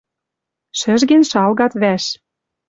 Шӹжген шалгат вӓш.